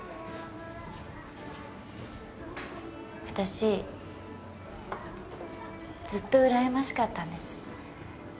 私ずっとうらやましかったんです。